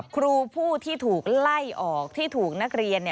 ครูผู้ที่ถูกไล่ออกที่ถูกนักเรียน